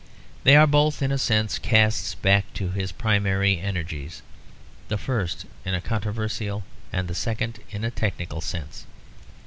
They are both in a sense casts back to his primary energies; the first in a controversial and the second in a technical sense.